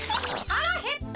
「はらへった！